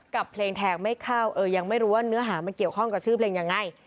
กับเพลงแทงไม่เข้าเออยังไม่รู้ว่าเนื้อหามันเกี่ยวข้องกับชื่อเพลงยังไง